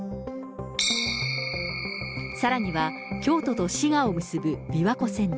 さらには京都と滋賀を結ぶ琵琶湖線だ。